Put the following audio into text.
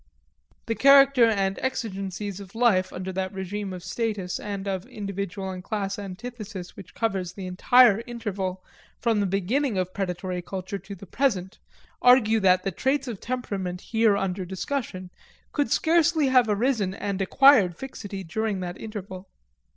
The character and exigencies of life, under that regime of status and of individual and class antithesis which covers the entire interval from the beginning of predatory culture to the present, argue that the traits of temperament here under discussion could scarcely have arisen and acquired fixity during that interval.